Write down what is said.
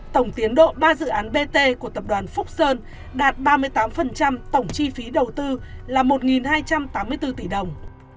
tổng tiến độ ba dự án bt của tập đoàn phúc sơn đạt ba mươi tám tổng chi phí đầu tư là một hai trăm tám mươi bốn tỷ đồng